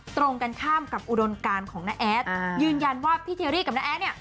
ตรงกันข้ามกับอุดมการของน้าแอดยืนยันว่าพี่เทรี่กับน้าแอดเนี่ย